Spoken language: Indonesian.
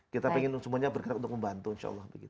kita ingin semuanya bergerak untuk membantu insya allah